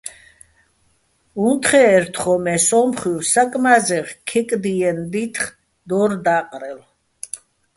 უნთხე́ჸერ თხოჼ, მე სო́მხუჲვ საკმა́ზეღ ქეკდიენო̆ დითხ დო́რ და́ყრელო.